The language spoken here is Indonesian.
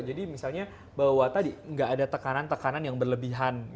jadi misalnya bahwa tadi nggak ada tekanan tekanan yang berlebihan